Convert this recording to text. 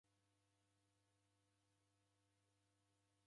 Bonya kuselie mzi.